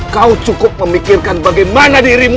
kau cukup memikirkan bagaimana dirimu